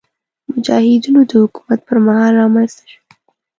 مجاهدینو د حکومت پر مهال رامنځته شول.